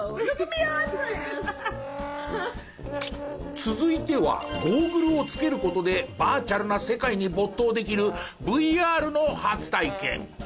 続いてはゴーグルをつける事でバーチャルな世界に没頭できるＶＲの初体験。